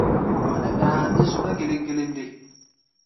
Mɔʼɔ nɛ́ daa a dé zu-mɛ́ gelɛm-gelɛm nde?